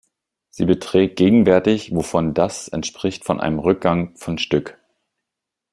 Sie beträgt gegenwärtig wovon Das entspricht einem Rückgang von Stück.